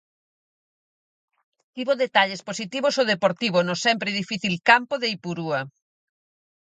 Tivo detalles positivos o Deportivo no sempre difícil campo de Ipurúa.